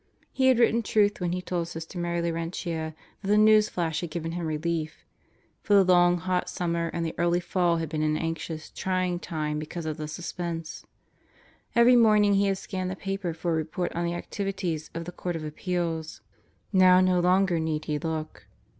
He had written truth when he told Sister Mary Laurentia that the news flash had given him relief; for the long, hot sum mer and the early fall had been an anxious, trying time because of the suspense. Every morning he had scanned the paper for a report on the activities of the Court of Appeals. Now no longer need he look.